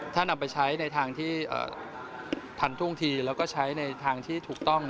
ถ้านำไปใช้ในทางที่ทันท่วงทีแล้วก็ใช้ในทางที่ถูกต้อง